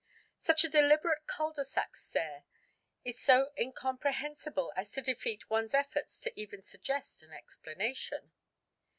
Such a deliberate cul de sac stair is so incomprehensible as to defeat one's efforts to even suggest an explanation.